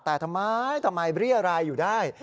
แต่ทำไมเรียรายอยู่ได้